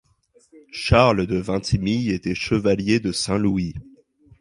Charles de Vintimille était Chevalier de Saint-Louis.